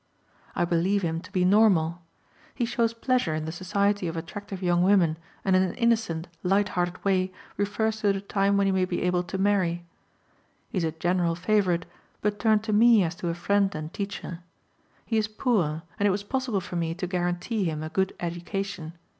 I believe him to be normal. He shows pleasure in the society of attractive young women and in an innocent, light hearted way refers to the time when he may be able to marry. He is a general favorite, but turned to me as to a friend and teacher. He is poor, and it was possible for me to guarantee him a good education.